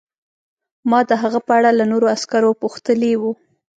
ما د هغه په اړه له نورو عسکرو پوښتلي وو